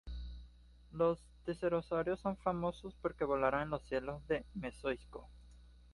Los pterosaurios son famosos porque volaron en los cielos del Mesozoico.